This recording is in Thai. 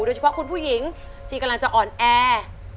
โดยเฉพาะคุณผู้หญิงที่กำลังจะอ่อนแอ